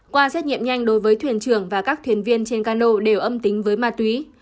qua xét nghiệm nhanh đối với thuyền trưởng và các thuyền viên trên cano đều âm tính với ma túy